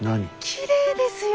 きれいですよ。